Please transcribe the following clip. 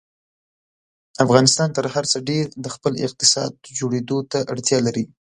افغانستان تر هر څه ډېر د خپل اقتصاد جوړېدو ته اړتیا لري.